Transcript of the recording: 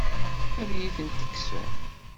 Ad iyi-tent-tekksem?